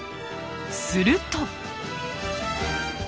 すると。